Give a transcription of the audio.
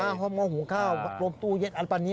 ไฟฟ้าห้อมงอหูข้าวโรคตู้เย็ดอันปรับนี้